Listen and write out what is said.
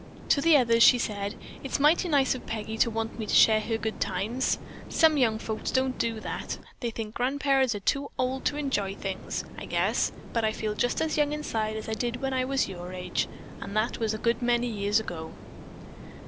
To the others she said: "It's mighty nice of Peggy to want me to share her good times. Some young folks don't do that. They think grandparents are too old to enjoy things, I guess, but I feel just as young inside as I did when I was your age, and that was a good many years ago.